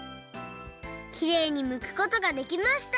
きれいにむくことができました！